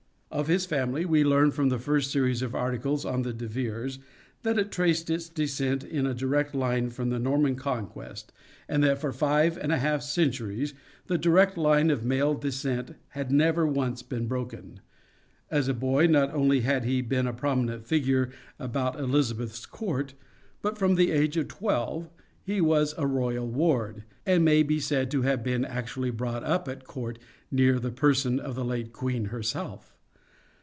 Of his family, we learn from the first series of articles on the De Veres, that it traced its descent in a direct line from the Norman Conquest and that for five and a half centuries the direct line of male descent had never once been broken. As a boy, not only had he been a prominent figure about Elizabeth's court, but from the age of twelve he was a royal ward, and may be said to have been actually brought up at court near the person of the Queen herself.